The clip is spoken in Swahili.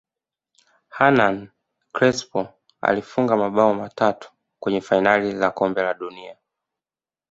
hernan crespo alifunga mabao matatu kwenye fainali za kombe la dunia